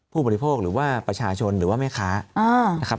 ผู้บริโภคหรือว่าประชาชนหรือว่าแม่ค้านะครับ